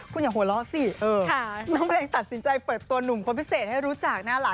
คุณอย่าหัวเราะสิน้องเพลงตัดสินใจเปิดตัวหนุ่มคนพิเศษให้รู้จักหน้าหลาน